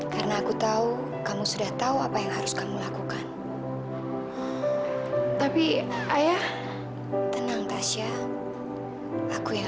karena aku tahu kamu sudah tahu apa yang harus kamu lakukan tapi ayah tenang tasya aku yang